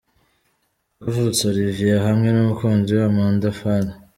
Kavutse Olivier hamwe n'umukunzi we Amanda Fung.